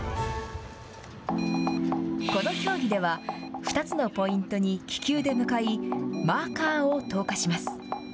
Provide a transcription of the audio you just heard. この競技では、２つのポイントに気球で向かい、マーカーを投下します。